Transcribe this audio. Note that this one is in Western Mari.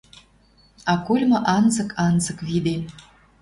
А кольмы анзык, анзык виден